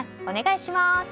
お願いします。